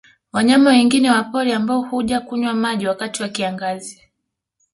Wanyama wengine wa pori ambao huja kunywa maji wakati wa kiangazi